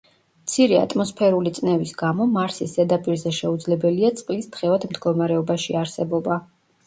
მცირე ატმოსფერული წნევის გამო მარსის ზედაპირზე შეუძლებელია წყლის თხევად მდგომარეობაში არსებობა.